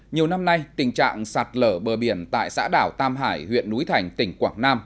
nhiều năm nay tình trạng sạt lở bờ biển tại xã đảo tam hải huyện núi thành tỉnh quảng nam